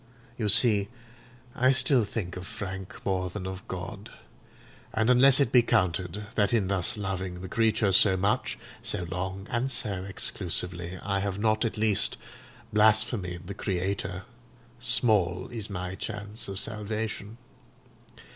You see I still think of Frank more than of God; and unless it be counted that in thus loving the creature so much, so long, and so exclusively, I have not at least blasphemed the Creator, small is my chance of salvation.